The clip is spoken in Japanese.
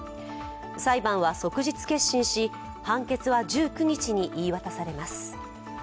裁判は即日結審し、判決は１９日に言い渡されます。